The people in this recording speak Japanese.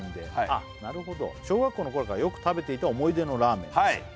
あっなるほど「小学校のころからよく食べていた思い出のラーメンです」